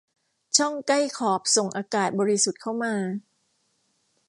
ช่องใกล้ขอบส่งอากาศบริสุทธิ์เข้ามา